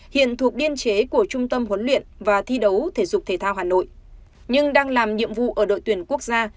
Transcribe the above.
hiện thuộc biên chế của trung tâm huấn luyện và thi đấu thể dục thể thao hà nội nhưng đang làm nhiệm vụ ở đội tuyển quốc gia